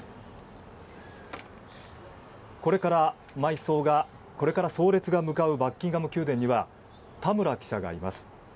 これから葬列が向かうバッキンガム宮殿には田村記者がいます。